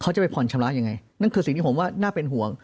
เขาจะไปผ่อนชำระยังไงนั่นคือสิ่งที่ผมว่าน่าเป็นห่วง